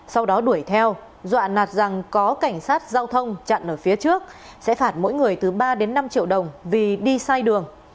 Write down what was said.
sau đó đuổi theo dọa nạt rằng có cảnh sát giao thông chặn ở phía trước sẽ phạt mỗi người từ ba đến năm triệu đồng vì đi sai đường